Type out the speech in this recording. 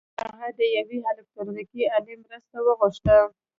هغه د یوې الکټرونیکي الې مرسته وغوښته